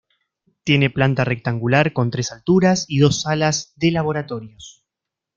Tiene planta rectangular con tres alturas y dos alas de laboratorios.